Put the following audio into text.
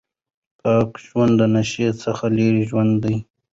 پاک ژوند د نشې څخه لرې ژوند دی.